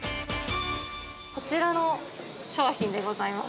◆こちらの商品でございます。